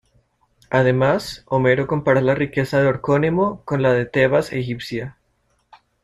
Además, Homero compara la riqueza de Orcómeno con la de Tebas egipcia.